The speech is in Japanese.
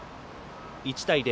１対０。